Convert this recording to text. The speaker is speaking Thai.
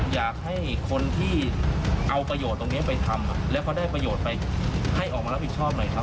อยากให้คนที่เอาประโยชน์ตรงนี้ไปทำแล้วเขาได้ประโยชน์ไปให้ออกมารับผิดชอบหน่อยครับ